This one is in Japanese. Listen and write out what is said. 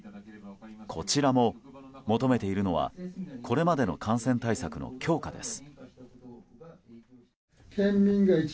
こちらも求めているのはこれまでの感染対策の強化です。